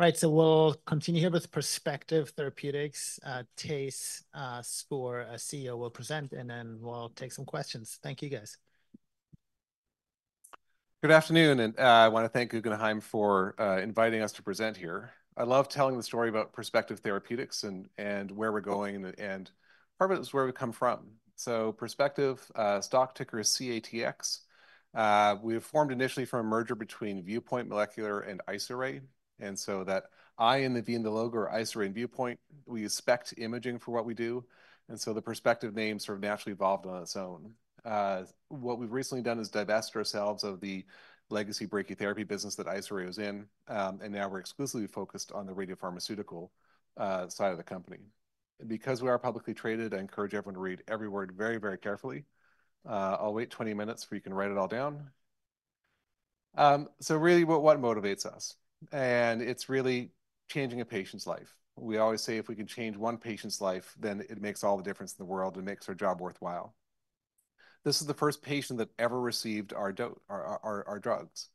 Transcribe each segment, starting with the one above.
All right, so we'll continue here with Perspective Therapeutics. Thijs Spoor, CEO, will present, and then we'll take some questions. Thank you, guys. Good afternoon, and I want to thank Guggenheim for inviting us to present here. I love telling the story about Perspective Therapeutics and where we're going, and part of it is where we come from. So Perspective, stock ticker is CATX. We were formed initially from a merger between Viewpoint Molecular and Isoray. And so the I in the logo are Isoray and Viewpoint. We use SPECT imaging for what we do. And so the Perspective name sort of naturally evolved on its own. What we've recently done is divest ourselves of the legacy brachytherapy business that Isoray was in, and now we're exclusively focused on the radiopharmaceutical side of the company. And because we are publicly traded, I encourage everyone to read every word very, very carefully. I'll wait 20 minutes for you can write it all down. So really, what motivates us? It's really changing a patient's life. We always say if we can change one patient's life, then it makes all the difference in the world and makes our job worthwhile. This is the first patient that ever received our drugs.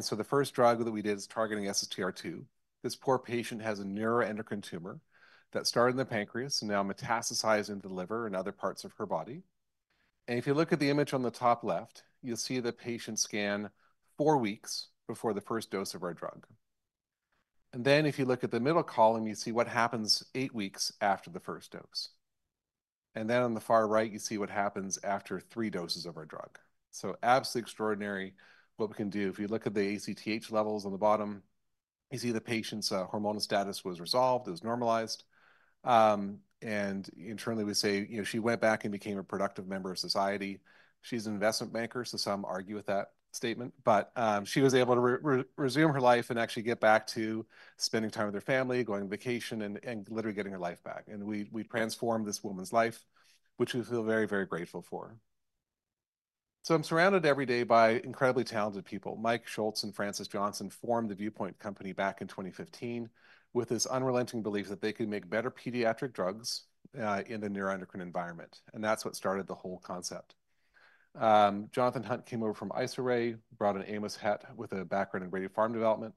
So the first drug that we did is targeting SSTR2. This poor patient has a neuroendocrine tumor that started in the pancreas and now metastasized into the liver and other parts of her body. If you look at the image on the top left, you'll see the patient scan four weeks before the first dose of our drug. Then if you look at the middle column, you see what happens eight weeks after the first dose. Then on the far right, you see what happens after three doses of our drug. So absolutely extraordinary what we can do. If you look at the ACTH levels on the bottom, you see the patient's hormonal status was resolved. It was normalized. Internally we say, you know, she went back and became a productive member of society. She's an investment banker, so some argue with that statement. But she was able to resume her life and actually get back to spending time with her family, going on vacation, and literally getting her life back. We transformed this woman's life, which we feel very grateful for. So I'm surrounded every day by incredibly talented people. Mike Schultz and Frances Johnson formed the Viewpoint Company back in 2015 with this unrelenting belief that they could make better pediatric drugs in the neuroendocrine environment. That's what started the whole concept. Jonathan Hunt came over from Isoray, brought Amos Hedt with a background in radiopharm development.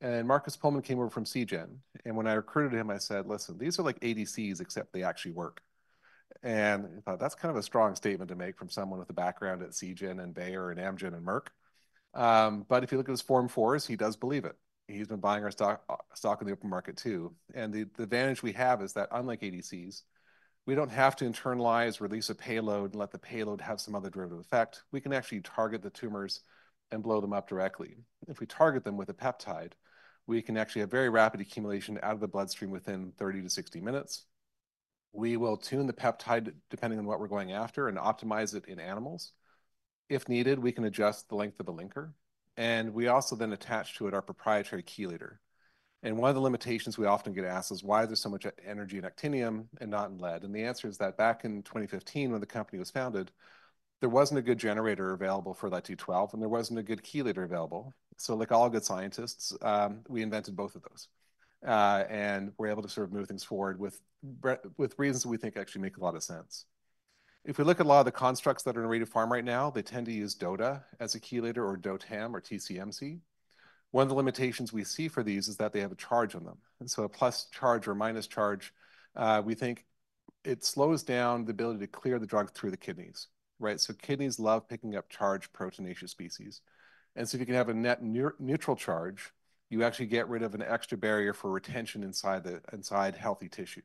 Markus Puhlmann came over from Seagen. And when I recruited him, I said, "Listen, these are like ADCs except they actually work." And I thought, "That's kind of a strong statement to make from someone with a background at and Bayer and Amgen and Merck." But if you look at his form for us, he does believe it. He's been buying our stock in the open market too. And the advantage we have is that unlike ADCs, we don't have to internalize, release a payload, and let the payload have some other derivative effect. We can actually target the tumors and blow them up directly. If we target them with a peptide, we can actually have very rapid accumulation out of the bloodstream within 30-60 minutes. We will tune the peptide depending on what we're going after and optimize it in animals. If needed, we can adjust the length of the linker. We also then attach to it our proprietary chelator. One of the limitations we often get asked is why there's so much energy in actinium and not in lead. The answer is that back in 2015, when the company was founded, there wasn't a good generator available for Lead-212, and there wasn't a good chelator available. So like all good scientists, we invented both of those. We're able to sort of move things forward with reasons that we think actually make a lot of sense. If we look at a lot of the constructs that are in radiopharm right now, they tend to use DOTA as a chelator or DOTAM or TCMC. One of the limitations we see for these is that they have a charge on them. A plus charge or a minus charge, we think it slows down the ability to clear the drug through the kidneys, right? So kidneys love picking up charged proteinaceous species. And so if you can have a net neutral charge, you actually get rid of an extra barrier for retention inside the inside healthy tissue.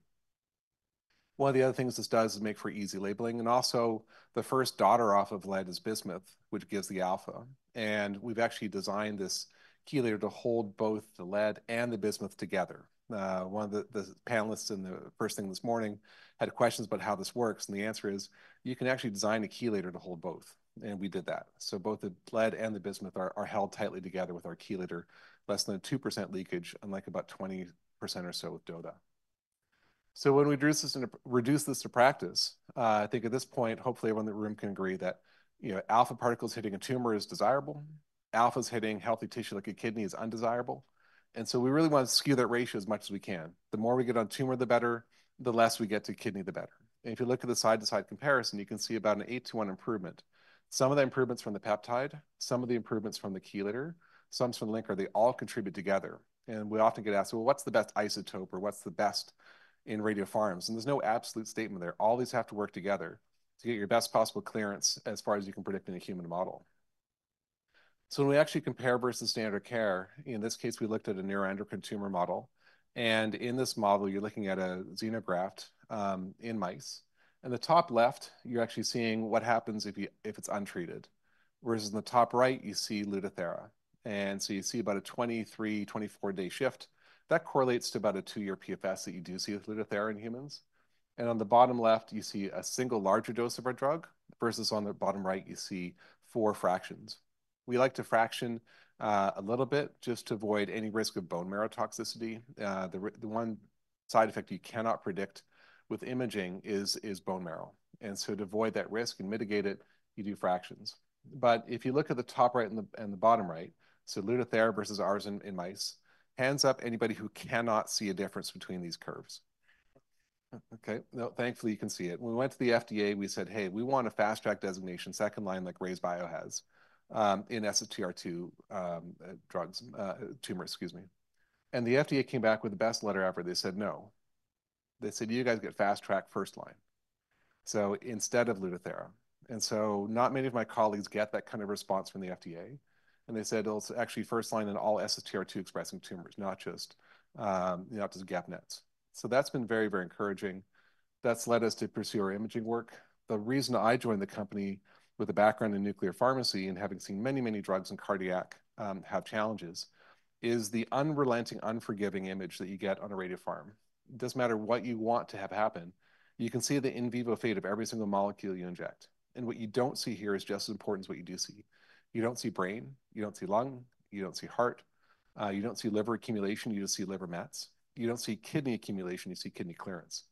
One of the other things this does is make for easy labeling. And also the first daughter off of lead is bismuth, which gives the alpha. And we've actually designed this chelator to hold both the lead and the bismuth together. One of the panelists in the first thing this morning had questions about how this works. And the answer is you can actually design a chelator to hold both. And we did that. So both the lead and the bismuth are held tightly together with our chelator, less than 2% leakage, unlike about 20% or so with DOTA. So when we reduce this to practice, I think at this point, hopefully everyone in the room can agree that, you know, alpha particles hitting a tumor is desirable. Alphas hitting healthy tissue like a kidney is undesirable. And so we really want to skew that ratio as much as we can. The more we get on tumor, the better. The less we get to kidney, the better. And if you look at the side-to-side comparison, you can see about an 8-1 improvement. Some of the improvements from the peptide, some of the improvements from the chelator, some from the linker, they all contribute together. And we often get asked, well, what's the best isotope or what's the best in radiopharms? And there's no absolute statement there. All these have to work together to get your best possible clearance as far as you can predict in a human model. So when we actually compare versus standard care, in this case, we looked at a neuroendocrine tumor model. And in this model, you're looking at a xenograft, in mice. And the top left, you're actually seeing what happens if it's untreated. Versus in the top right, you see Lutathera. And so you see about a 23-24-day shift. That correlates to about a two-year PFS that you do see with Lutathera in humans. And on the bottom left, you see a single larger dose of our drug versus on the bottom right, you see four fractions. We like to fraction, a little bit just to avoid any risk of bone marrow toxicity. The one side effect you cannot predict with imaging is bone marrow. And so to avoid that risk and mitigate it, you do fractions. But if you look at the top right and the bottom right, so Lutathera versus ours in mice, hands up anybody who cannot see a difference between these curves. Okay, no, thankfully you can see it. When we went to the FDA, we said, "Hey, we want a fast-track designation, second line like RayzeBio has, in SSTR2, drugs, tumors, excuse me." And the FDA came back with the best letter ever. They said no. They said, "You guys get fast-track first line." So instead of Lutathera. And so not many of my colleagues get that kind of response from the FDA. They said, "It'll actually first line in all SSTR2-expressing tumors, not just, you know, just GEP-NETs." So that's been very, very encouraging. That's led us to pursue our imaging work. The reason I joined the company with a background in nuclear pharmacy and having seen many, many drugs in cardiac, have challenges is the unrelenting, unforgiving image that you get on a radiopharm. It doesn't matter what you want to have happen. You can see the in vivo fate of every single molecule you inject. And what you don't see here is just as important as what you do see. You don't see brain. You don't see lung. You don't see heart. You don't see liver accumulation. You just see liver mets. You don't see kidney accumulation. You see kidney clearance.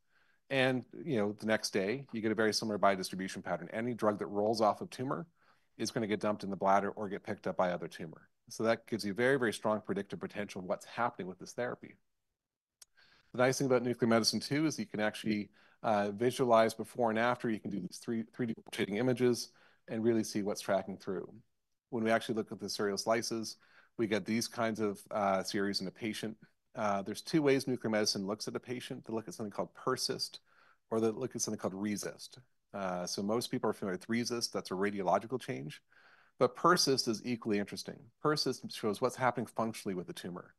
And, you know, the next day, you get a very similar biodistribution pattern. Any drug that rolls off a tumor is going to get dumped in the bladder or get picked up by other tumor. So that gives you very, very strong predictive potential of what's happening with this therapy. The nice thing about nuclear medicine too is you can actually visualize before and after. You can do these three 3D portraiting images and really see what's tracking through. When we actually look at the serial slices, we get these kinds of series in a patient. There's two ways nuclear medicine looks at a patient. They look at something called PERCIST or they look at something called RECIST. So most people are familiar with RECIST. That's a radiological change. But PERCIST is equally interesting. PERCIST shows what's happening functionally with the tumor.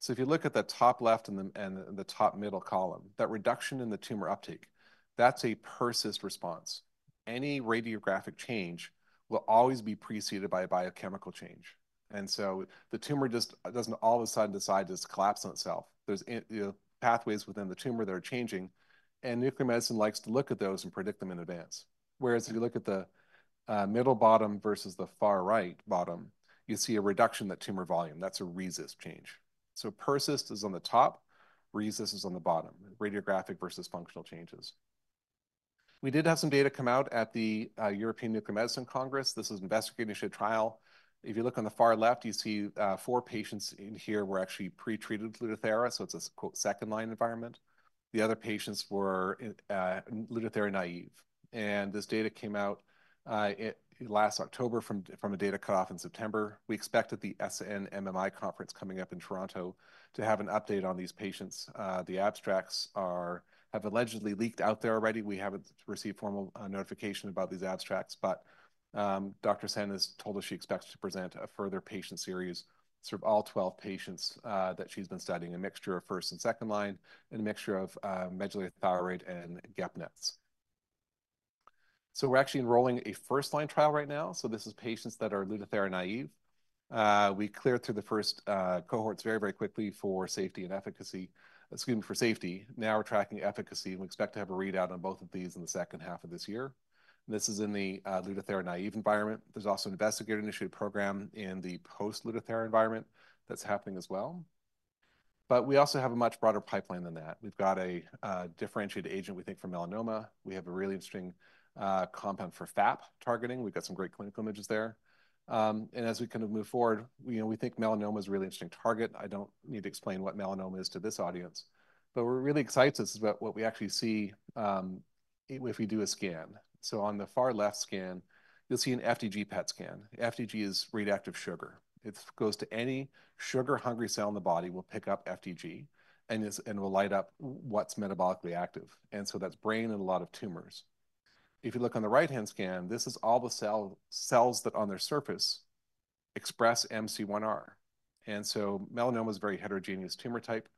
So if you look at that top left and the top middle column, that reduction in the tumor uptake, that's a PERCIST response. Any radiographic change will always be preceded by a biochemical change. And so the tumor just doesn't all of a sudden decide to just collapse on itself. There's, you know, pathways within the tumor that are changing. And nuclear medicine likes to look at those and predict them in advance. Whereas if you look at the middle bottom versus the far right bottom, you see a reduction in that tumor volume. That's a RECIST change. So PERCIST is on the top. RECIST is on the bottom. Radiographic versus functional changes. We did have some data come out at the European Nuclear Medicine Congress. This was an investigatorship trial. If you look on the far left, you see four patients in here were actually pretreated with Lutathera. So it's a "second line environment." The other patients were Lutathera naive. And this data came out last October from a data cut-off in September. We expect at the SNMMI conference coming up in Toronto to have an update on these patients. The abstracts have allegedly leaked out there already. We haven't received formal notification about these abstracts. But Dr. Sen has told us she expects to present a further patient series, sort of all 12 patients, that she's been studying, a mixture of first and second line and a mixture of medullary thyroid and GEP-NETs. So we're actually enrolling a first line trial right now. So this is patients that are Lutathera naive. We cleared through the first cohorts very, very quickly for safety and efficacy. Excuse me, for safety. Now we're tracking efficacy. And we expect to have a readout on both of these in the second half of this year. And this is in the Lutathera naive environment. There's also an investigator-initiated program in the post-Lutathera environment that's happening as well. But we also have a much broader pipeline than that. We've got a differentiated agent, we think, for melanoma. We have a really interesting compound for FAP targeting. We've got some great clinical images there. And as we kind of move forward, you know, we think melanoma is a really interesting target. I don't need to explain what melanoma is to this audience. But what really excites us is about what we actually see, if we do a scan. So on the far left scan, you'll see an FDG PET scan. FDG is reactive sugar. It goes to any sugar-hungry cell in the body will pick up FDG and is and will light up what's metabolically active. And so that's brain and a lot of tumors. If you look on the right-hand scan, this is all the cell cells that on their surface express MC1R. And so melanoma is a very heterogeneous tumor type.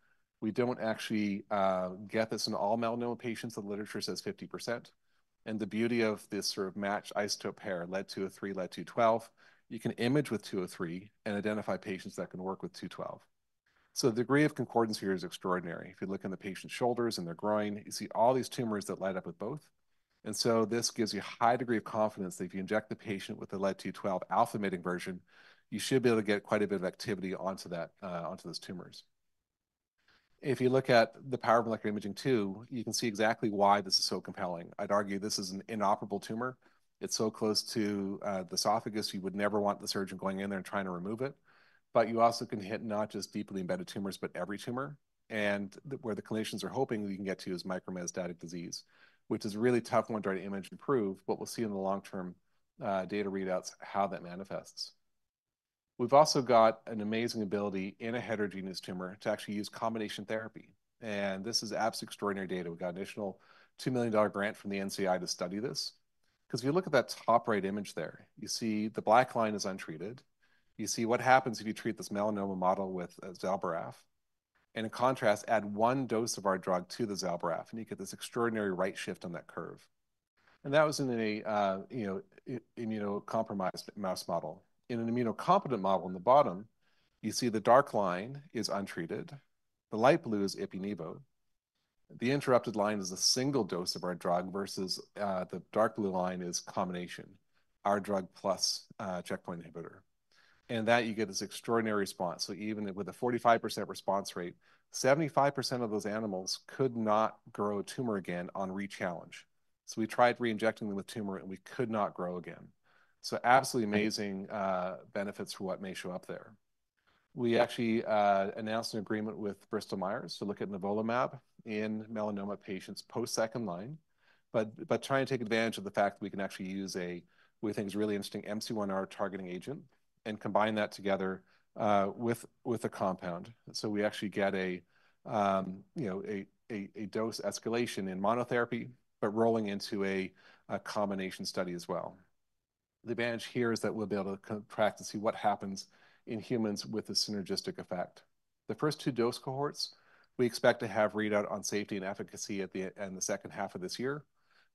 We don't actually get this in all melanoma patients. The literature says 50%. And the beauty of this sort of matched isotope pair, Lead-203, Lead-212, you can image with 203 and identify patients that can work with 212. So the degree of concordance here is extraordinary. If you look in the patient's shoulders and their groin, you see all these tumors that light up with both. And so this gives you a high degree of confidence that if you inject the patient with the Lead-212 alpha-emitting version, you should be able to get quite a bit of activity onto that, onto those tumors. If you look at the power of molecular imaging too, you can see exactly why this is so compelling. I'd argue this is an inoperable tumor. It's so close to the esophagus, you would never want the surgeon going in there and trying to remove it. But you also can hit not just deeply embedded tumors, but every tumor. And where the clinicians are hoping we can get to is micrometastatic disease, which is a really tough one to try to image and prove, but we'll see in the long-term data readouts how that manifests. We've also got an amazing ability in a heterogeneous tumor to actually use combination therapy. This is absolutely extraordinary data. We got an additional $2 million grant from the NCI to study this. Because if you look at that top right image there, you see the black line is untreated. You see what happens if you treat this melanoma model with a Zelboraf. And in contrast, add one dose of our drug to the Zelboraf, and you get this extraordinary right shift on that curve. And that was in a, you know, immunocompromised mouse model. In an immunocompetent model in the bottom, you see the dark line is untreated. The light blue is Ipi/Nivo. The interrupted line is a single dose of our drug versus the dark blue line is combination, our drug plus checkpoint inhibitor. And that you get this extraordinary response. So even with a 45% response rate, 75% of those animals could not grow a tumor again on re-challenge. So we tried reinjecting them with tumor, and we could not grow again. So absolutely amazing benefits for what may show up there. We actually announced an agreement with Bristol Myers Squibb to look at nivolumab in melanoma patients post-second line. But trying to take advantage of the fact that we can actually use a, we think, is really interesting MC1R targeting agent and combine that together with a compound. So we actually get a, you know, a dose escalation in monotherapy, but rolling into a combination study as well. The advantage here is that we'll be able to practice and see what happens in humans with a synergistic effect. The first two dose cohorts, we expect to have readout on safety and efficacy at the end of the second half of this year.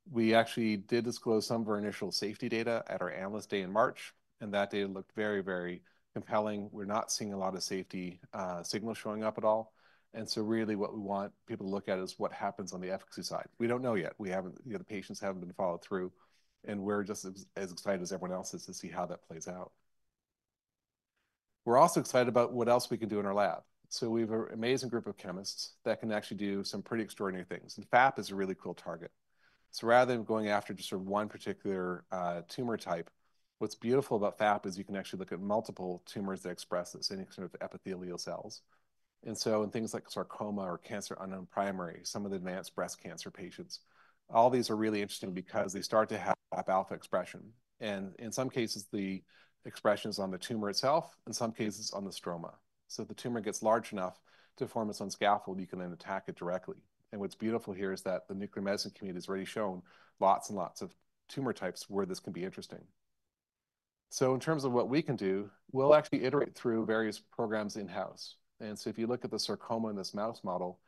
We actually did disclose some of our initial safety data at our analyst day in March. That data looked very, very compelling. We're not seeing a lot of safety signals showing up at all. So really what we want people to look at is what happens on the efficacy side. We don't know yet. We haven't, you know, the patients haven't been followed through. And we're just as excited as everyone else is to see how that plays out. We're also excited about what else we can do in our lab. We have an amazing group of chemists that can actually do some pretty extraordinary things. FAP is a really cool target. Rather than going after just sort of one particular tumor type, what's beautiful about FAP is you can actually look at multiple tumors that express this any sort of epithelial cells. And so in things like sarcoma or cancer unknown primary, some of the advanced breast cancer patients, all these are really interesting because they start to have FAP-alpha expression. And in some cases, the expression is on the tumor itself, in some cases on the stroma. So the tumor gets large enough to form its own scaffold, you can then attack it directly. And what's beautiful here is that the nuclear medicine community has already shown lots and lots of tumor types where this can be interesting. So in terms of what we can do, we'll actually iterate through various programs in-house. And so if you look at the sarcoma in this mouse model,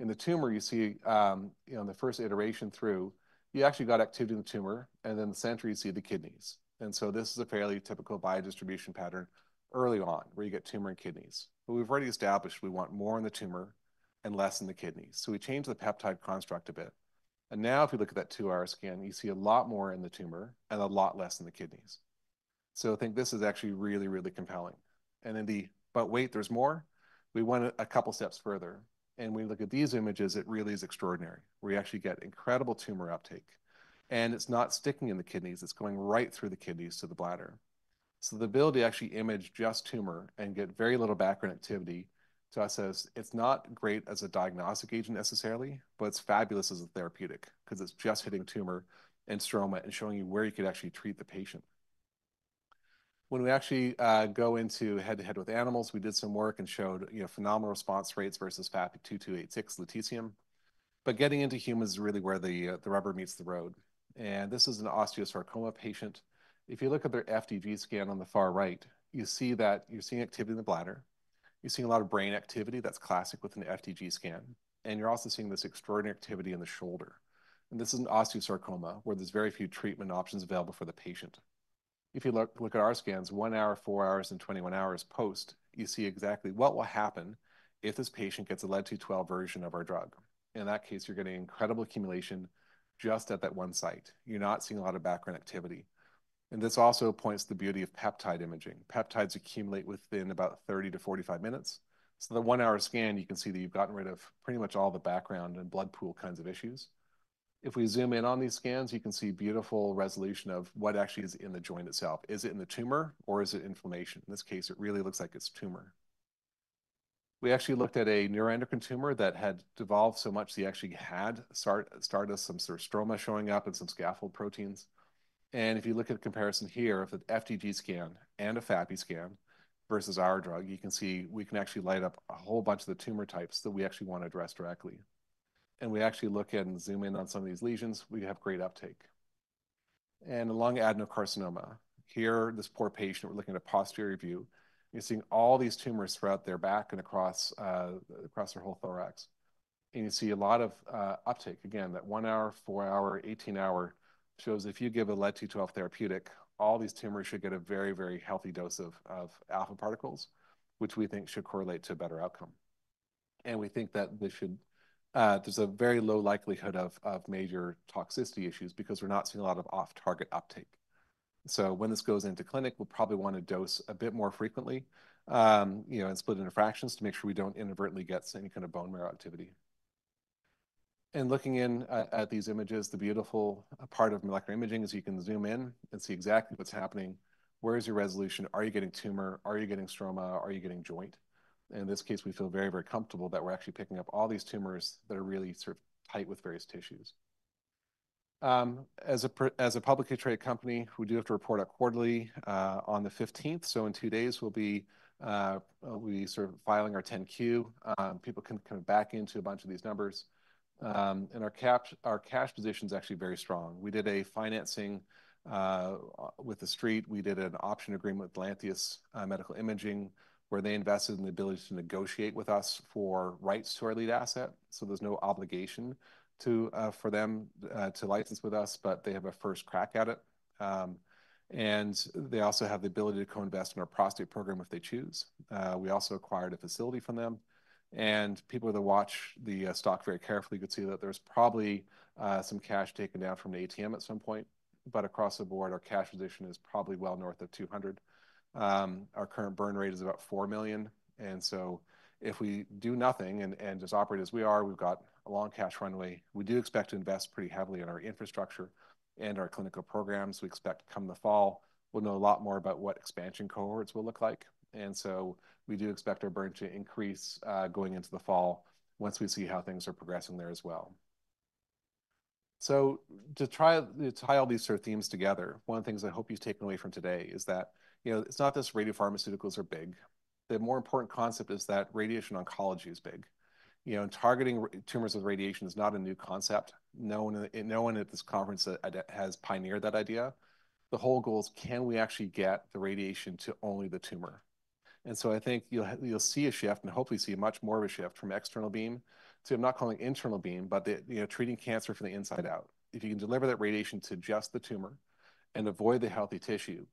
in the tumor, you see, you know, in the first iteration through, you actually got activity in the tumor, and then the center, you see the kidneys. This is a fairly typical biodistribution pattern early on where you get tumor and kidneys. But we've already established we want more in the tumor and less in the kidneys. So we changed the peptide construct a bit. Now if you look at that two hour scan, you see a lot more in the tumor and a lot less in the kidneys. So I think this is actually really, really compelling. And, but wait, there's more. We went a couple steps further. When you look at these images, it really is extraordinary. We actually get incredible tumor uptake. It's not sticking in the kidneys. It's going right through the kidneys to the bladder. So the ability to actually image just tumor and get very little background activity to us says, it's not great as a diagnostic agent necessarily, but it's fabulous as a therapeutic because it's just hitting tumor and stroma and showing you where you could actually treat the patient. When we actually go into head-to-head with animals, we did some work and showed, you know, phenomenal response rates versus FAP-2286 lutetium. But getting into humans is really where the rubber meets the road. And this is an osteosarcoma patient. If you look at their FDG scan on the far right, you see that you're seeing activity in the bladder. You're seeing a lot of brain activity that's classic with an FDG scan. And you're also seeing this extraordinary activity in the shoulder. And this is an osteosarcoma where there's very few treatment options available for the patient. If you look at our scans, one hour, four hours, and 21 hours post, you see exactly what will happen if this patient gets a Lead-212 version of our drug. In that case, you're getting incredible accumulation just at that one site. You're not seeing a lot of background activity. And this also points to the beauty of peptide imaging. Peptides accumulate within about 30-45 minutes. So the one hour scan, you can see that you've gotten rid of pretty much all the background and blood pool kinds of issues. If we zoom in on these scans, you can see beautiful resolution of what actually is in the joint itself. Is it in the tumor, or is it inflammation? In this case, it really looks like it's tumor. We actually looked at a neuroendocrine tumor that had devolved so much that he actually had started some sort of stroma showing up and some scaffold proteins. And if you look at a comparison here of the FDG scan and a FAPI scan versus our drug, you can see we can actually light up a whole bunch of the tumor types that we actually want to address directly. And we actually look and zoom in on some of these lesions, we have great uptake. And a lung adenocarcinoma. Here, this poor patient, we're looking at a posterior view. You're seeing all these tumors throughout their back and across, across their whole thorax. And you see a lot of, uptake. Again, that one hour, four hour, 18 hour shows if you give a Lead-212 therapeutic, all these tumors should get a very, very healthy dose of of alpha particles, which we think should correlate to a better outcome. And we think that they should, there's a very low likelihood of of major toxicity issues because we're not seeing a lot of off-target uptake. So when this goes into clinic, we'll probably want to dose a bit more frequently, you know, and split into fractions to make sure we don't inadvertently get any kind of bone marrow activity. And looking in at these images, the beautiful part of molecular imaging is you can zoom in and see exactly what's happening. Where is your resolution? Are you getting tumor? Are you getting stroma? Are you getting joint? In this case, we feel very, very comfortable that we're actually picking up all these tumors that are really sort of tight with various tissues. As a publicly traded company, we do have to report out quarterly, on the 15th. So in two days, we'll be filing our 10-Q. People can come back into a bunch of these numbers, and our cash position is actually very strong. We did a financing with the street. We did an option agreement with Lantheus where they invested in the ability to negotiate with us for rights to our lead asset. So there's no obligation for them to license with us, but they have a first crack at it, and they also have the ability to co-invest in our prostate program if they choose. We also acquired a facility from them. And people who watch the stock very carefully could see that there's probably some cash taken down from the ATM at some point. But across the board, our cash position is probably well north of $200 million. Our current burn rate is about $4 million. And so if we do nothing and just operate as we are, we've got a long cash runway. We do expect to invest pretty heavily in our infrastructure and our clinical programs. We expect come the fall, we'll know a lot more about what expansion cohorts will look like. And so we do expect our burn to increase, going into the fall once we see how things are progressing there as well. So to try to tie all these sort of themes together, one of the things I hope you've taken away from today is that, you know, it's not this radiopharmaceuticals are big. The more important concept is that radiation oncology is big. You know, and targeting tumors with radiation is not a new concept. No one at this conference has pioneered that idea. The whole goal is, can we actually get the radiation to only the tumor? And so I think you'll see a shift and hopefully see much more of a shift from external beam to, I'm not calling it internal beam, but the, you know, treating cancer from the inside out. If you can deliver that radiation to just the tumor and avoid the healthy tissue,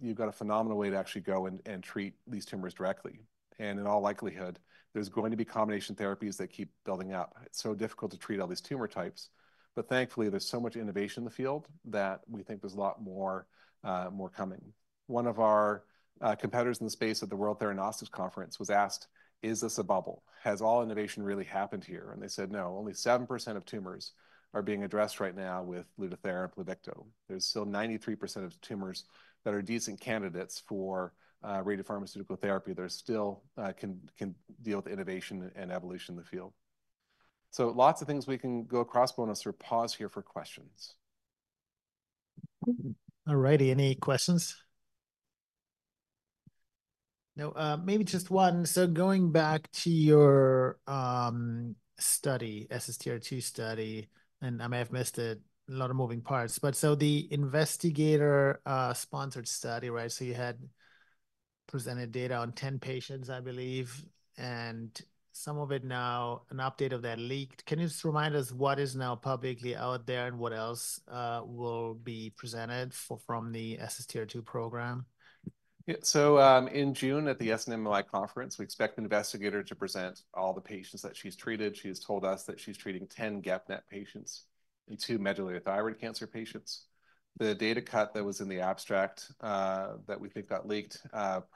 you've got a phenomenal way to actually go and treat these tumors directly. And in all likelihood, there's going to be combination therapies that keep building up. It's so difficult to treat all these tumor types. But thankfully, there's so much innovation in the field that we think there's a lot more coming. One of our competitors in the space at the World Theranostics Conference was asked, is this a bubble? Has all innovation really happened here? And they said, no, only 7% of tumors are being addressed right now with Lutathera and Pluvicto. There's still 93% of tumors that are decent candidates for radiopharmaceutical therapy. There's still can deal with innovation and evolution in the field. So lots of things we can go across bonus or pause here for questions. All righty. Any questions? No, maybe just one. So going back to your study, SSTR2 study, and I may have missed it, a lot of moving parts, but so the investigator-sponsored study, right? So you had presented data on 10 patients, I believe, and some of it now, an update of that leaked. Can you just remind us what is now publicly out there and what else will be presented from the SSTR2 program? Yeah, so, in June at the SNMMI conference, we expect the investigator to present all the patients that she's treated. She has told us that she's treating 10 GEP-NET patients and two medullary thyroid cancer patients. The data cut that was in the abstract, that we think got leaked,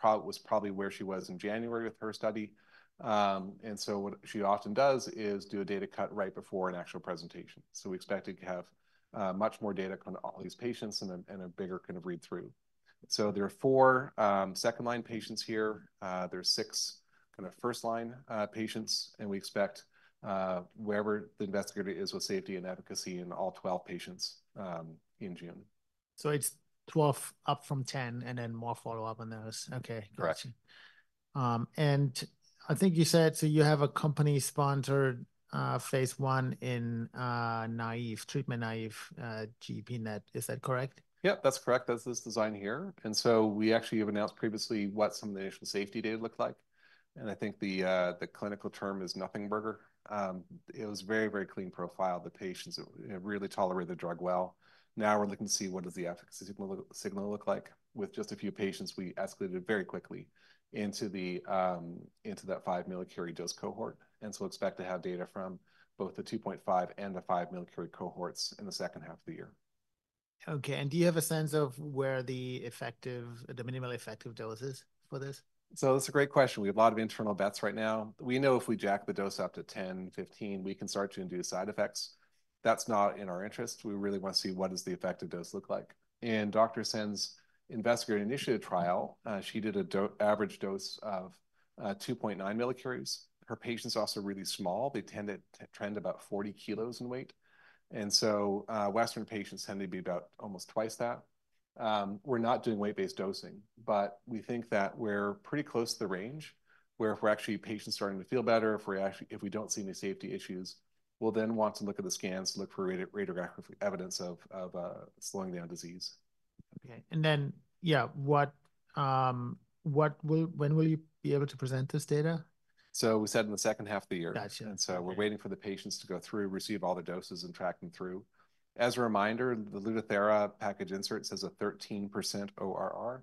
was probably where she was in January with her study. And so what she often does is do a data cut right before an actual presentation. So we expected to have much more data on all these patients and a bigger kind of read-through. So there are four second-line patients here. There's six kind of first-line patients, and we expect, wherever the investigator is with safety and efficacy in all 12 patients, in June. So it's 12 up from 10 and then more follow-up on those. Okay. Gotcha. And I think you said so you have a company-sponsored phase 1 in naïve treatment-naïve GEP-NET. Is that correct? Yep, that's correct. That's this design here. And so we actually have announced previously what some of the initial safety data looked like. And I think the clinical term is nothing burger. It was very, very clean profile. The patients really tolerated the drug well. Now we're looking to see what does the efficacy signal look like with just a few patients. We escalated it very quickly into that 5 millicurie dose cohort. We expect to have data from both the 2.5 and the 5 millicurie cohorts in the second half of the year. Okay, and do you have a sense of where the effective, the minimal effective dose is for this? So that's a great question. We have a lot of internal bets right now. We know if we jack the dose up to 10, 15, we can start to induce side effects. That's not in our interest. We really want to see what does the effective dose look like. And Dr. Sen's investigator initiated a trial. She did an average dose of 2.9 millicuries. Her patients are also really small. They tend to trend about 40 kilos in weight. And so Western patients tend to be about almost twice that. We're not doing weight-based dosing, but we think that we're pretty close to the range where if we're actually patients starting to feel better, if we actually, if we don't see any safety issues, we'll then want to look at the scans to look for radiographic evidence of slowing down disease. Okay, and then, yeah, what will, when will you be able to present this data? So we said in the second half of the year. Gotcha. So we're waiting for the patients to go through, receive all their doses, and track them through. As a reminder, the Lutathera package insert says a 13% ORR.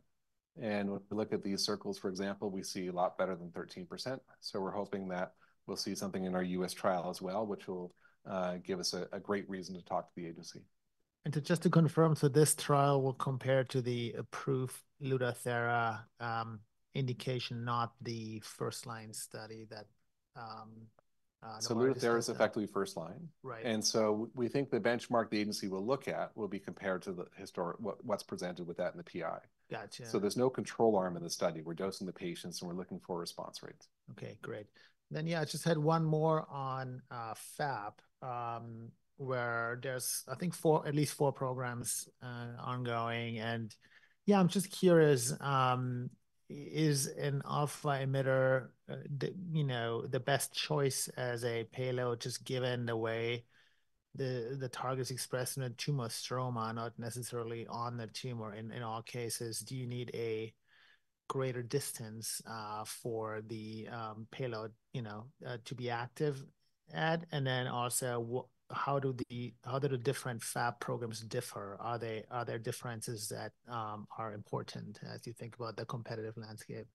When we look at these circles, for example, we see a lot better than 13%. So we're hoping that we'll see something in our U.S. trial as well, which will give us a great reason to talk to the agency. And so just to confirm, so this trial will compare to the approved Lutathera indication, not the first-line study that no one has seen? So Lutathera is effectively first-line. Right. And so we think the benchmark the agency will look at will be compared to the historic, what's presented with that in the PI. Gotcha. So there's no control arm in the study. We're dosing the patients and we're looking for response rates. Okay, great. Then, yeah, I just had one more on FAP, where there's, I think, four, at least four programs ongoing. And yeah, I'm just curious, is an alpha emitter, you know, the best choice as a payload just given the way the targets express in a tumor stroma, not necessarily on the tumor in all cases, do you need a greater distance for the payload, you know, to be active at And then also, what, how do the different FAP programs differ? Are there differences that are important as you think about the competitive landscape?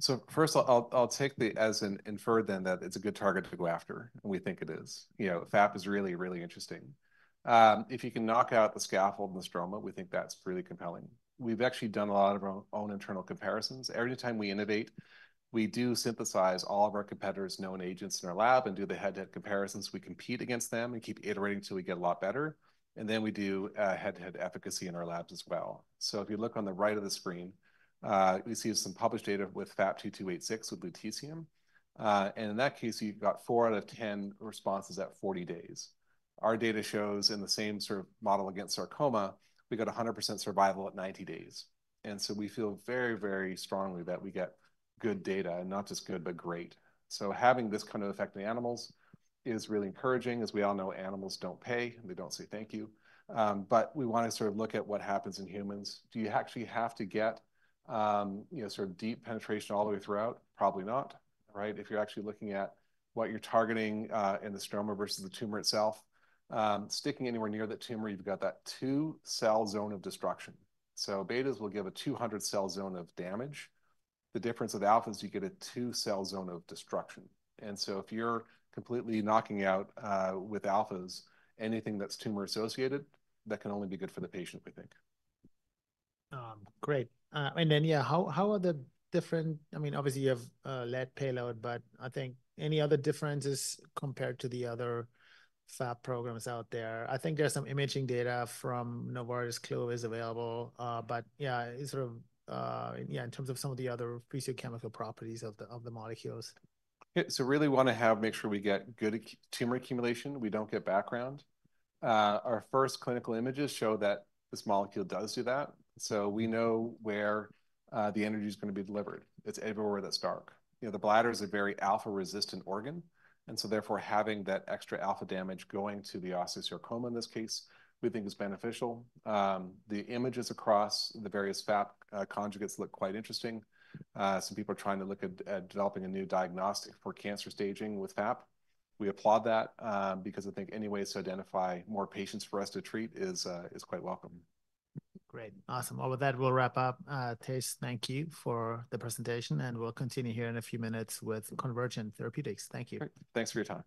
So first, I'll take that as an inference then that it's a good target to go after. And we think it is. You know, FAP is really, really interesting. If you can knock out the scaffold and the stroma, we think that's really compelling. We've actually done a lot of our own internal comparisons. Every time we innovate, we do synthesize all of our competitors' known agents in our lab and do the head-to-head comparisons. We compete against them and keep iterating till we get a lot better. And then we do a head-to-head efficacy in our labs as well. So if you look on the right of the screen, we see some published data with FAP-2286 with lutetium. In that case, you've got four out of 10 responses at 40 days. Our data shows in the same sort of model against sarcoma, we got 100% survival at 90 days. And so we feel very, very strongly that we get good data and not just good, but great. So having this kind of effect in animals is really encouraging as we all know animals don't pay and they don't say thank you. But we want to sort of look at what happens in humans. Do you actually have to get, you know, sort of deep penetration all the way throughout? Probably not, right? If you're actually looking at what you're targeting, in the stroma versus the tumor itself, sticking anywhere near that tumor, you've got that two-cell zone of destruction. So betas will give a 200-cell zone of damage. The difference with alphas is you get a two-cell zone of destruction. And so if you're completely knocking out, with alphas, anything that's tumor associated, that can only be good for the patient, we think. Great. And then, yeah, how are the different? I mean, obviously you have a lead payload, but I think any other differences compared to the other FAP programs out there? I think there's some imaging data from Novartis Clovis is available, but yeah, it's sort of, yeah, in terms of some of the other physicochemical properties of the molecules. Yeah, so really want to make sure we get good tumor accumulation. We don't get background. Our first clinical images show that this molecule does do that. So we know where the energy is going to be delivered. It's everywhere that's dark. You know, the bladder is a very alpha-resistant organ. And so therefore, having that extra alpha damage going to the osteosarcoma in this case, we think is beneficial. The images across the various FAP conjugates look quite interesting. Some people are trying to look at developing a new diagnostic for cancer staging with FAP. We applaud that, because I think any way to identify more patients for us to treat is quite welcome. Great. Awesome. Well, with that, we'll wrap up. Thijs, thank you for the presentation, and we'll continue here in a few minutes with Convergent Therapeutics. Thank you. Thanks for your time.